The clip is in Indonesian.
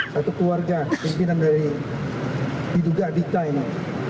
satu keluarga pimpinan dari diduga dita ini